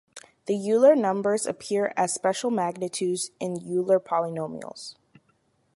The Euler numbers appear as special magnitudes in Euler polynomials.